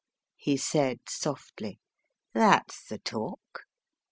he said, softly. "That's the talk.